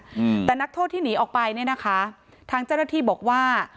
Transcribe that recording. อืมแต่นักโทษที่หนีออกไปเนี้ยนะคะทางเจ้าหน้าที่บอกว่า